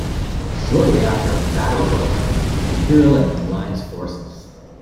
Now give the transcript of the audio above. Shortly after, a battle broke out between Imperial and Alliance forces.